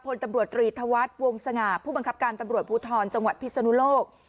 พลตำรวจตรีธวัฒน์วงสง่าผู้บังคับการตำรวจภูทรจังหวัดพิศนุโลก